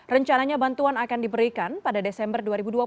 rencananya bantuan akan diberikan pada desember dua ribu dua puluh